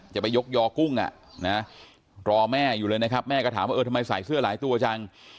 จะไปยกยอกุ้งรอแม่อยู่เลยนะครับแม่ก็ถามว่าเออทำไมใส่เสื้อหลายตัวจัง